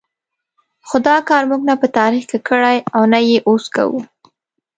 خو دا کار موږ نه په تاریخ کې کړی او نه یې اوس کوو.